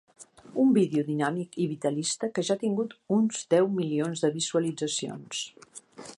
Un vídeo dinàmic i vitalista que ja ha tingut uns deu milions de visualitzacions.